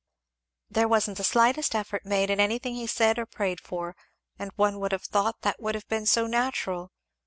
"There wasn't the slightest effort made in anything he said or prayed for, and one would have thought that would have been so natural!